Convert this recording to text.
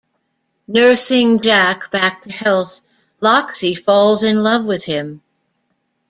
Nursing Jack back to health, Loxi falls in love with him.